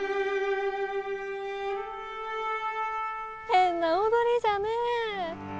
変な踊りじゃねえ！